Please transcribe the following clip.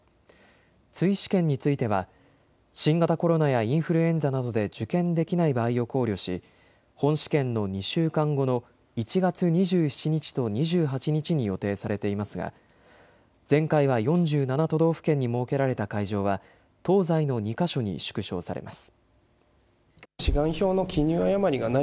追試験については新型コロナやインフルエンザなどで受験できない場合を考慮し本試験の２週間後の１月２７日と２８日に予定されていますが前回は４７都道府県に設けられた会場は東西の２か所に縮小されます。